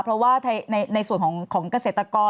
เพราะว่าในส่วนของเกษตรกร